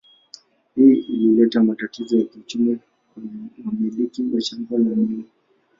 Hii ilileta matatizo ya kiuchumi kwa wamiliki wa mashamba ya miwa.